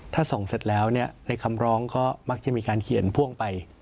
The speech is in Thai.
ถ้าส่องเสร็จแล้วในคำร้องก็มักจะมีการเขียนพ่วงไป